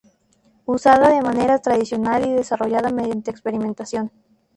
Usada de manera tradicional y desarrollada mediante experimentación.